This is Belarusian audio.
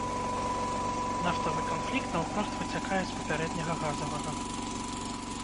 Нафтавы канфлікт наўпрост выцякае з папярэдняга газавага.